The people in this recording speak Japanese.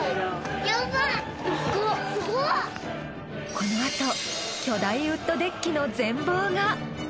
このあと巨大ウッドデッキの全貌が。